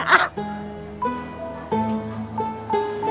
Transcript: hah apaan sih kamu sempet sempetnya